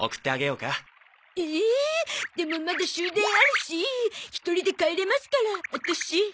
ええでもまだ終電あるし１人で帰れますからアタシ。